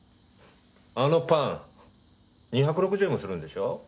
あのパン２６０円もするんでしょ？